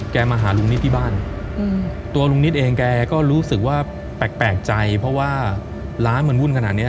มาหาลุงนิดที่บ้านตัวลุงนิดเองแกก็รู้สึกว่าแปลกใจเพราะว่าร้านมันวุ่นขนาดเนี้ย